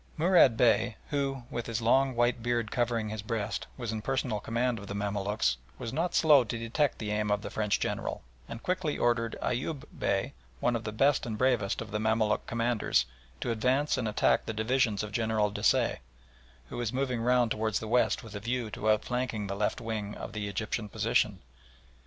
Murad Bey, who, with his long white beard covering his breast, was in personal command of the Mamaluks, was not slow to detect the aim of the French General, and quickly ordered Eyoub Bey, one of the best and bravest of the Mamaluk commanders, to advance and attack the division of General Desaix, who was moving round towards the west with a view to outflanking the left wing of the Egyptian position.